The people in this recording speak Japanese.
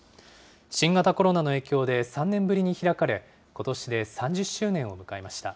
新型コロナの影響で３年ぶりに開かれ、ことしで３０周年を迎えました。